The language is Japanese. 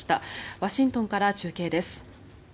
ワシントンから中継です。